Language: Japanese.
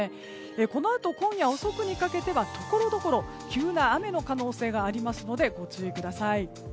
このあと、今夜遅くにかけてはところどころ急な雨の可能性がありますのでご注意ください。